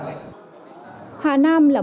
hà nam là một trong hai địa phương